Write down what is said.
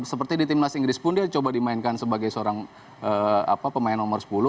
seperti di timnas inggris pun dia coba dimainkan sebagai seorang pemain nomor sepuluh